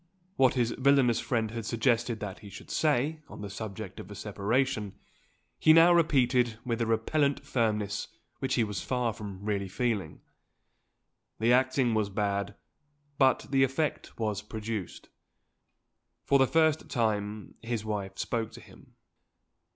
What his villainous friend had suggested that he should say, on the subject of a separation, he now repeated with a repellent firmness which he was far from really feeling. The acting was bad, but the effect was produced. For the first time, his wife spoke to him.